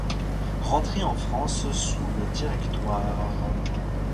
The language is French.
Rentré en France sous le Directoire.